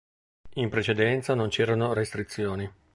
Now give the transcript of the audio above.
In precedenza non c'erano restrizioni.